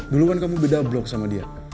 dulu kan kamu beda blok sama dia